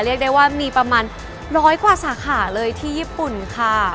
เรียกได้ว่ามีประมาณร้อยกว่าสาขาเลยที่ญี่ปุ่นค่ะ